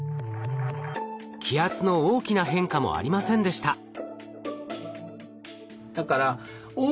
気圧の大きな変化もありませんでした。